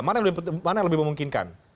mana yang lebih memungkinkan